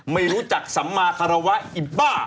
ไม่รู้จักสัมมาคารวะอิบ้า